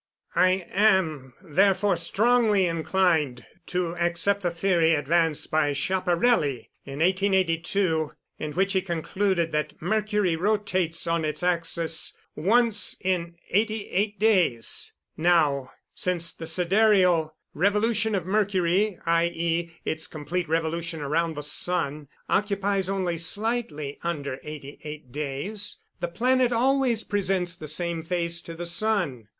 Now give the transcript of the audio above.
I am therefore strongly inclined to accept the theory advanced by Schiaparelli in 1882, in which he concluded that Mercury rotates on its axis once in eighty eight days. Now, since the sidereal revolution of Mercury, i.e., its complete revolution around the sun, occupies only slightly under eighty eight days, the planet always presents the same face to the sun.